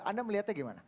anda melihatnya bagaimana